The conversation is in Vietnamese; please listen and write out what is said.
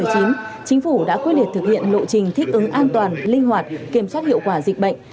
chính phủ đã quyết liệt thực hiện lộ trình thích ứng an toàn linh hoạt kiểm soát hiệu quả dịch bệnh